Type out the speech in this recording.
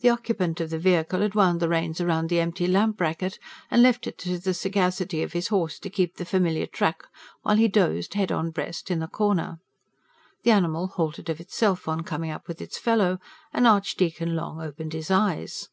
The occupant of the vehicle had wound the reins round the empty lamp bracket, and left it to the sagacity of his horse to keep the familiar track, while he dozed, head on breast, in the corner. The animal halted of itself on coming up with its fellow, and Archdeacon Long opened his eyes.